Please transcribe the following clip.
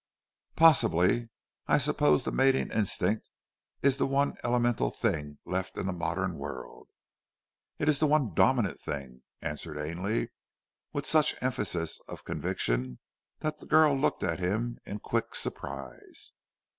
"Possibly! I suppose the mating instinct is the one elemental thing left in the modern world." "It is the one dominant thing," answered Ainley, with such emphasis of conviction that the girl looked at him in quick surprise.